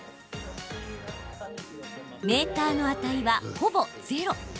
メーターの値は、ほぼゼロ。